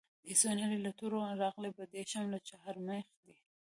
د عيسوي نړۍ له توړه راغلی بدېشم لا چهارمېخ دی.